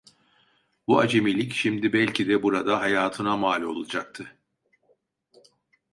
Bu acemilik şimdi belki de burada hayatına mal olacaktı.